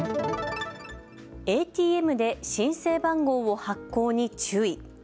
ＡＴＭで申請番号を発行に注意。